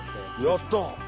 やった！